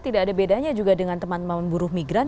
tidak ada bedanya juga dengan teman teman buruh migran